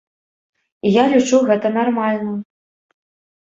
І я лічу гэта нармальным.